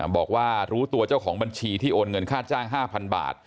บอกว่ารู้ตัวเจ้าของบัญชีที่โอนเงินค่าจ้าง๕๐๐บาท